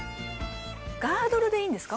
ガードルでいいんですか？